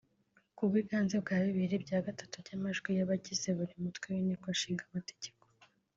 ku bwiganze bwa bibiri bya gatatu by’amajwi y’abagize buri Mutwe w’Inteko Ishinga Amategeko